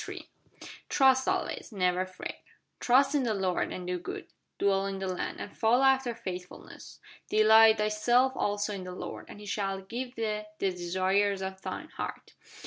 TRUST ALWAYS: NEVER FRET Trust in the Lord, and do good; Dwell in the land, and follow after faithfulness: Delight thyself also in the Lord; And He shall give thee the desires of thine heart.